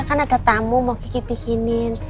kan ada tamu mau kiki bikinin